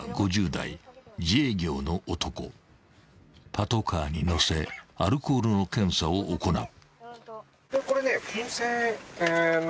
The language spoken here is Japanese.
［パトカーに乗せアルコールの検査を行う］